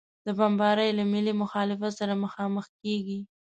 دا بمبارۍ له ملي مخالفت سره مخامخ کېږي.